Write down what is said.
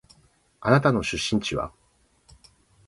あなたの出身地は？